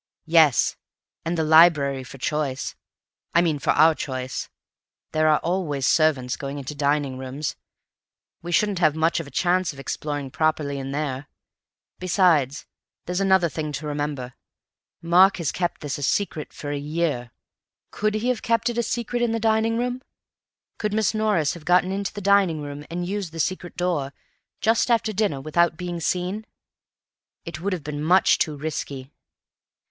"Yes. And the library for choice. I mean for our choice. There are always servants going into dining rooms. We shouldn't have much of a chance of exploring properly in there. Besides, there's another thing to remember. Mark has kept this a secret for a year. Could he have kept it a secret in the dining room? Could Miss Norris have got into the dining room and used the secret door just after dinner without being seen? It would have been much too risky."